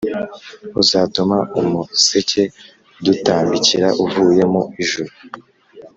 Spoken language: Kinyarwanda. Uzatuma umuseke udutambikira uvuye mu ijuru